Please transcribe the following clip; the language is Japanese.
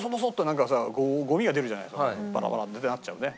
ただバラバラってなっちゃうね。